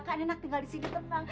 kak enak tinggal di sini tenang